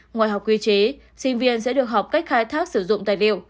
ngoài học quy chế sinh viên sẽ được học cách khai thác sử dụng tài liệu